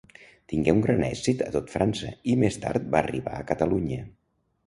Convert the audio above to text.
Tingué un gran èxit a tot França i més tard va arribar a Catalunya.